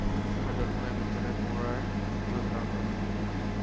তাঁহার জন্ম নাই, মৃত্যু নাই, পুনরায় দেহধারণও নাই।